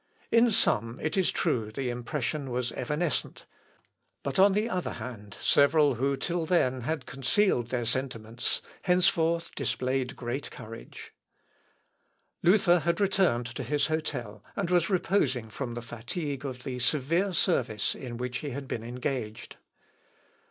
In some, it is true, the impression was evanescent, but, on the other hand, several who till then had concealed their sentiments, henceforth displayed great courage. [Sidenote: DUKE ERICK'S GLASS OF BEER.] Luther had returned to his hotel, and was reposing from the fatigue of the severe service in which he had been engaged.